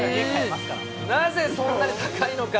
なぜそんなに高いのか。